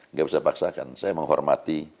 nggak bisa paksakan saya menghormati